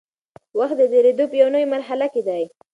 وخت د درېدو په یوې نوي مرحله کې دی.